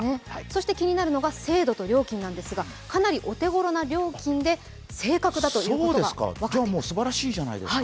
そして気になるのが精度と料金なんですがかなりお手頃な料金で正確だということが分かっています。